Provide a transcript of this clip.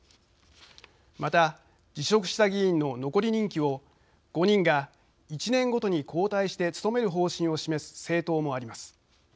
また辞職した議員の残り任期を５人が１年ごとに交代して務める方針を示す政党もあります。